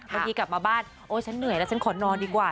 บางทีกลับมาบ้านโอ้ฉันเหนื่อยแล้วฉันขอนอนดีกว่า